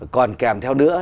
còn kèm theo nữa